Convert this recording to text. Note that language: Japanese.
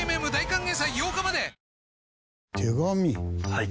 はい。